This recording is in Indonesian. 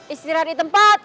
istirahat di tempat